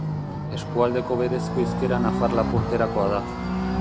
Eskualdeko berezko hizkera nafar-lapurterakoa da.